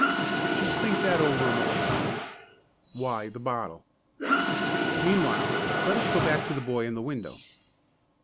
Just think that over a moment, please. Why the bottle? Meanwhile, let us go back to the boy and the window.